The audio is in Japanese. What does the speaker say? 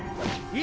え⁉